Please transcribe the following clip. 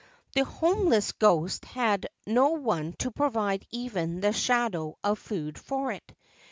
The homeless ghost had no one to provide even the shadow of food for it.